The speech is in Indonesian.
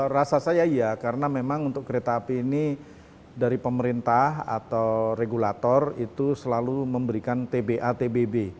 rasa saya iya karena memang untuk kereta api ini dari pemerintah atau regulator itu selalu memberikan tba tbb